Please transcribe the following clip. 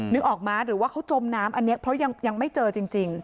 นึกออกมาหรือว่าเขาจมน้ำอันนี้เพราะยังไม่เจอจริง